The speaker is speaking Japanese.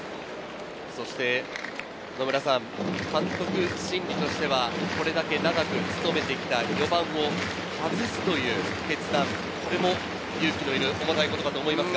野村さん、監督心理としてはこれだけ長く務めてきた４番を外すという決断、これも勇気のいる重たい言葉だと思います。